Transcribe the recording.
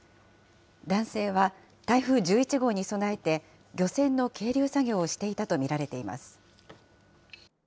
男性は台風１１号に備えて、漁船の係留作業をしていたと見られています。